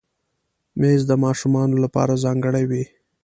مېز د ماشومانو لپاره ځانګړی وي.